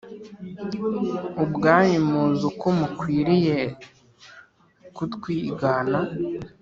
Ubwanyu muzi uko mukwiriye kutwigana